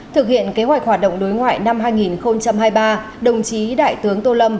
thực hiện kế hoạch hoạt động đối ngoại năm hai nghìn hai mươi ba đồng chí đại tướng tô lâm